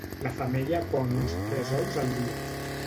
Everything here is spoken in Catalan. La femella pon uns tres ous al dia.